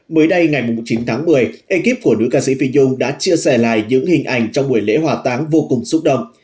mới đây ngày chín tháng một mươi ekip của nữ ca sĩ phi yong đã chia sẻ lại những hình ảnh trong buổi lễ hòa táng vô cùng xúc động